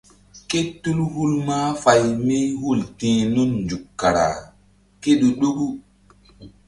Ké tul hul mahfay mí hul ti̧h nun nzuk kara ke ɗu-ɗuk.